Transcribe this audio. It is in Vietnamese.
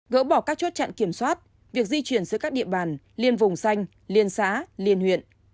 gỡ bỏ các chốt chặn kiểm soát việc di chuyển giữa các địa bàn liên vùng xanh liên xã liên huyện